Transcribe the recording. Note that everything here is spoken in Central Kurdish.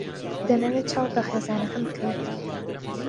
دەمەوێت چاوت بە خێزانەکەم بکەوێت.